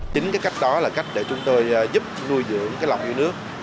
chính cái cách đó là cách để chúng tôi giúp nuôi dưỡng cái lòng yêu nước